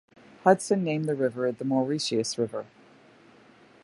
Hudson named the river the Mauritius River.